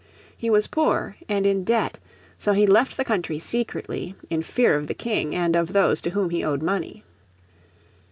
He was poor and in debt, so he left the country secretly, in fear of the King, and of those to whom he owed money.